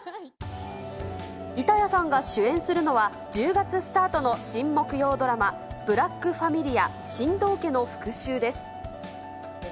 板谷さんが主演するのは１０月スタートの新木曜ドラマ、ブラックファミリア新堂家の復讐です。